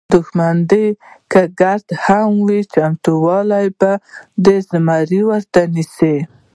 متل دی: دوښمن دې که ګیدړ هم وي چمتوالی به د زمري ورته نیسې.